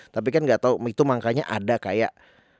tapi kan gak tau itu mangkanya ada kayak